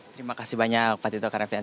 terima kasih banyak pak titokar fdn